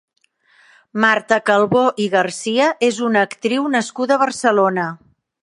Marta Calvó i García és una actriu nascuda a Barcelona.